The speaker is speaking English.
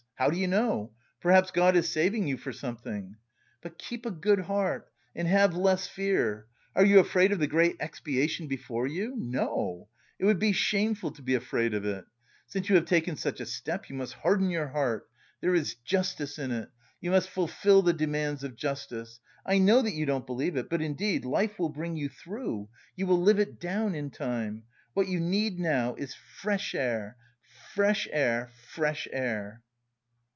How do you know? Perhaps God is saving you for something. But keep a good heart and have less fear! Are you afraid of the great expiation before you? No, it would be shameful to be afraid of it. Since you have taken such a step, you must harden your heart. There is justice in it. You must fulfil the demands of justice. I know that you don't believe it, but indeed, life will bring you through. You will live it down in time. What you need now is fresh air, fresh air, fresh air!"